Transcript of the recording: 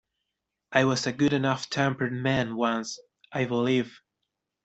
I was a good-enough-tempered man once, I believe.